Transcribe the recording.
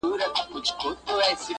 سلطنت وو په ځنګلو کي د زمریانو!